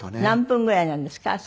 何分ぐらいなんですか？